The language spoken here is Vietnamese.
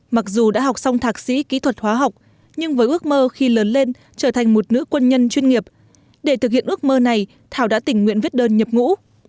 mặc dù đã học xong thạc sĩ kỹ thuật hóa học nhưng với ước mơ khi lớn lên trở thành một nữ quân nhân chuyên nghiệp để thực hiện ước mơ này thảo đã tình nguyện viết đơn nhập ngũ